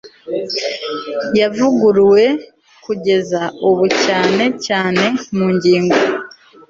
yavuguruwe kugeza ubu cyane cyane mu ngingo